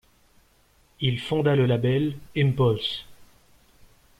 Il fonda le label Impulse!